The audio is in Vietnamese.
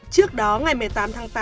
trước đó ngày một mươi tám tháng tám